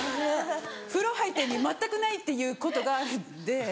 風呂入った意味全くないっていうことがあるんで。